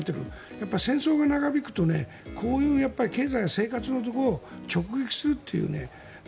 やっぱり戦争が長引くとこういう経済、生活のところを直撃するという。